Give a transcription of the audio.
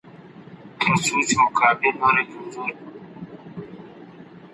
د غوښي ډیر خوړل ولي زیانمن دي؟